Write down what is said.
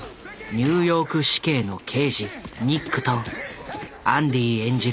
ニューヨーク市警の刑事ニックとアンディ演じる